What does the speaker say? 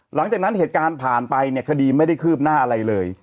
หลังจากนั้นเหตุการณ์ผ่านไปเนี่ยคดีไม่ได้คืบหน้าอะไรเลย